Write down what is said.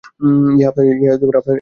ইহা আপনাদের উপর নির্ভর করে।